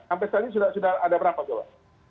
sampai saat ini sudah ada berapa kalau